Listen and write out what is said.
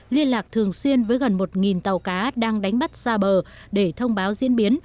liên lạc thường xuyên với gần một tàu cá đang đánh bắt xa bờ để thông báo diễn biến